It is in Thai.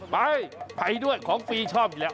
ไปไปด้วยของฟรีชอบอยู่แล้ว